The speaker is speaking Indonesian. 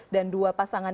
dan dua pasangan